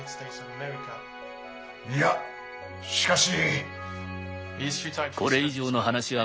いやしかし。